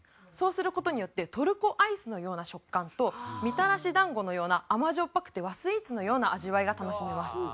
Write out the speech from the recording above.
そうする事によってトルコアイスのような食感とみたらし団子のような甘じょっぱくて和スイーツのような味わいが楽しめます。